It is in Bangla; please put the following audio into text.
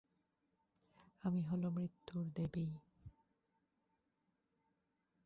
আমি হেলা মৃত্যুর দেবী।